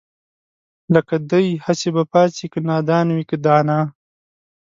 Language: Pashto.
لکه دئ هسې به پاڅي که نادان وي که دانا